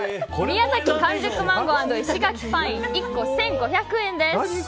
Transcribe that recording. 宮崎完熟マンゴー＆石垣パイン１個１５００円です。